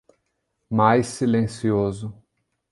Mais silencioso